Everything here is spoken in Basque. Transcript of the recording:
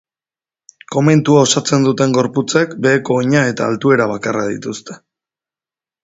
Komentua osatzen duten gorputzek beheko oina eta altuera bakarra dituzte.